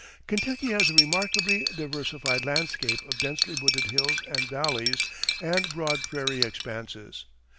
Kentucky has a remarkably diversified landscape of densely wooded hills and valleys and broad prairie expanses.